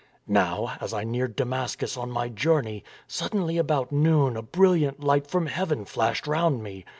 " Now, as I neared Damascus on my journey, sud denly about noon a brilliant light from heaven flashed round me.